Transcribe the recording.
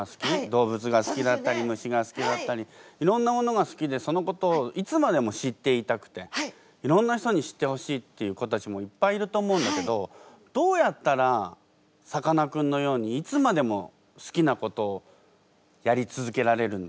動物が好きだったり虫が好きだったりいろんなものが好きでそのことをいつまでも知っていたくていろんな人に知ってほしいっていう子たちもいっぱいいると思うんだけどどうやったらさかなクンのようにいつまでも好きなことをやり続けられるんだろう？